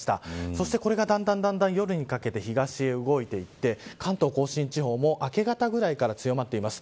そして、これがだんだん夜にかけて東へ動いていて関東甲信地方も明け方ぐらいから強まっています。